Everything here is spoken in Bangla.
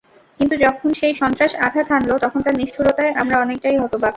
কিন্তু যখন সেই সন্ত্রাস আঘাত হানল তখন তার নিষ্ঠুরতায় আমরা অনেকটাই হতবাক।